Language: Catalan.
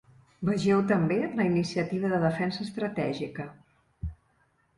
Vegeu també la iniciativa de defensa estratègica.